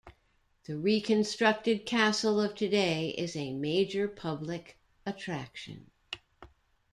The reconstructed castle of today is a major public attraction.